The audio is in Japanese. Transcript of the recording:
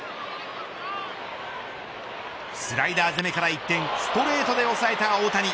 スライダー攻めから一転ストレートで抑えた大谷。